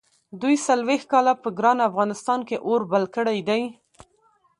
دوی څلوېښت کاله په ګران افغانستان کې اور بل کړی دی.